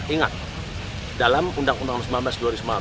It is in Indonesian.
ingat dalam undang undang sembilan belas dua ribu sembilan belas